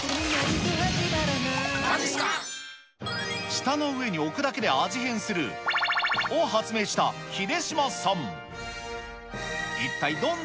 舌の上に置くだけで味変する×××を発明した秀島さん。